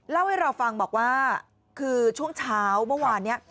เล่าให้เราฟังบอกว่าคือช่วงเช้าเมื่อวานนี้